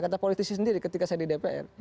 kata politisi sendiri ketika saya di dpr